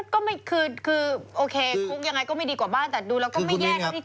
ก็ไม่คือคือโอเคคุกยังไงก็ไม่ดีกว่าบ้างแต่ดูแล้วก็ไม่แย่กับที่จินตนาการ